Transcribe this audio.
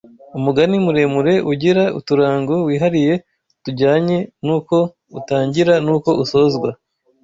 Umugani muremure ugira uturango wihariye tujyanye n’uko utangira n’uko usozwa